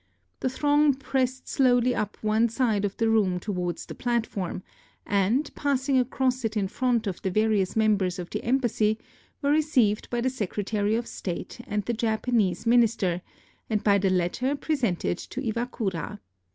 The throng pressed slowly up one side of the room towards the platform, and, passing across it in front of the various members of the embassy, were received by the Secretary of State and the Japanese minister, and by the latter presented to Iwakura.